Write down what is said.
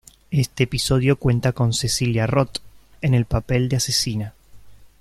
Este episodio cuenta con Cecilia Roth, en el papel de asesina.